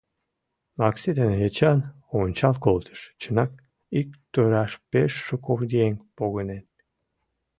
Макси ден Эчан ончал колтышт: чынак, ик тураш пеш шуко еҥ погынен.